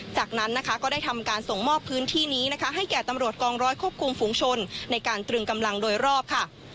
จากนั้นนะคะก็ได้ทำการส่งมอบพื้นที่นี้นะคะให้แก่ตำรวจกองร้อยควบคุมฝูงชนในการตรึงกำลังโดยรอบค่ะ